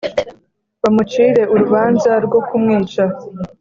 bamucire urubanza rwo kumwica